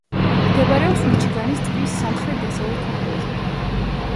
მდებარეობს მიჩიგანის ტბის სამხრეთ-დასავლეთ ნაპირზე.